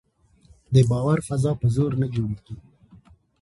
د باور فضا په زور نه جوړېږي